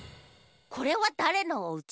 これはだれのおうち？